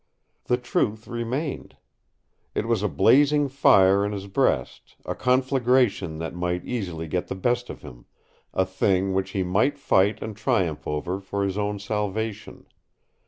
The truth remained. It was a blazing fire in his breast, a conflagration that might easily get the best of him, a thing which he must fight and triumph over for his own salvation.